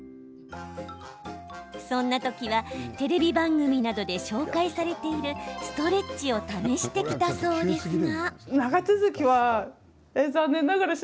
そんな時は、テレビ番組などで紹介されているストレッチを試してきたそうですが。